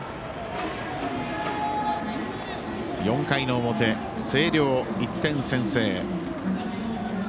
４回の表、星稜、１点先制。